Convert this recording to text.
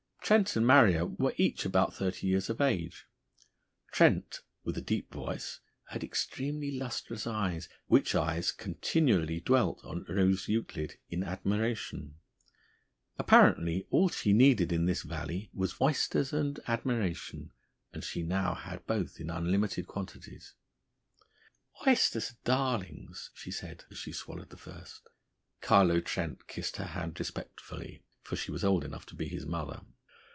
Trent and Marrier were each about thirty years of age. Trent, with a deep voice, had extremely lustrous eyes, which eyes continually dwelt on Rose Euclid in admiration. Apparently, all she needed in this valley was oysters and admiration, and she now had both in unlimited quantities. "Oysters are darlings," she said, as she swallowed the first. Carlo Trent kissed her hand respectfully for she was old enough to be his mother.